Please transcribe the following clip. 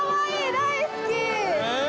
大好き。